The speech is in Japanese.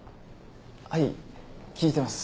はい聞いてます。